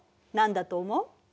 何だと思う？